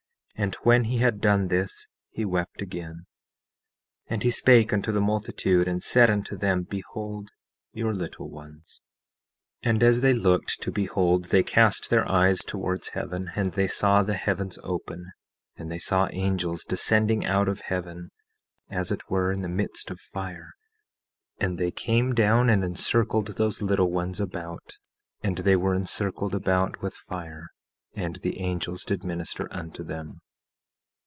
17:22 And when he had done this he wept again; 17:23 And he spake unto the multitude, and said unto them: Behold your little ones. 17:24 And as they looked to behold they cast their eyes towards heaven, and they saw the heavens open, and they saw angels descending out of heaven as it were in the midst of fire; and they came down and encircled those little ones about, and they were encircled about with fire; and the angels did minister unto them.